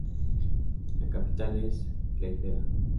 La capital es Klaipėda.